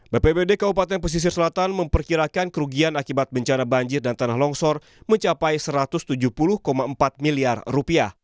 bpbd kabupaten pesisir selatan memperkirakan kerugian akibat bencana banjir dan tanah longsor mencapai rp satu ratus tujuh puluh empat miliar